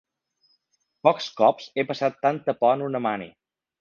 Pocs cops he passat tanta por en una mani.